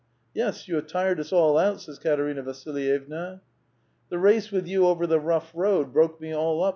"Yes; you have tired us all out I" says Eaterina Vasil yevna. " The race with you over the rough road broke me all up